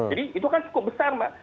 jadi itu kan cukup besar mbak